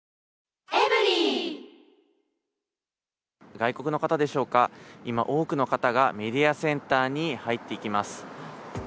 外国の方でしょうか、今、多くの方がメディアセンターに入っていきます。